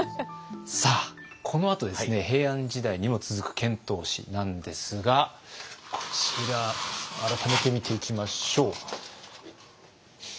さあこのあと平安時代にも続く遣唐使なんですがこちら改めて見ていきましょう。